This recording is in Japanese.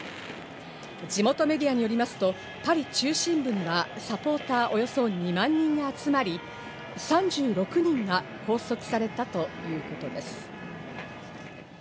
地元メディアによりますとパリ中心部にはサポーターおよそ２万人が集まり、３６人が拘束されたということです。